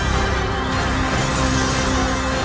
kau ketahunya rainy